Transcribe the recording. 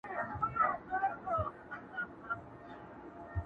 ګواکي ټول دي د مرګي خولې ته سپارلي،